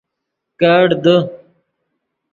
کیڑ دے